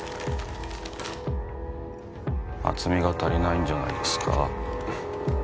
厚みが足りないんじゃないですか？